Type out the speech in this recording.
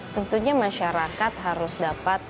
tentunya masyarakat harus dapatkan